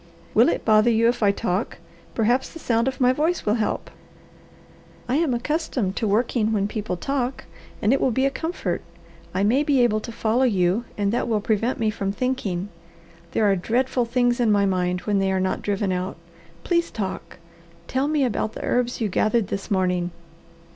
"Will it bother you if I talk? Perhaps the sound of my voice will help?" "I am accustomed to working when people talk, and it will be a comfort. I may be able to follow you, and that will prevent me from thinking. There are dreadful things in my mind when they are not driven out. Please talk! Tell me about the herbs you gathered this morning."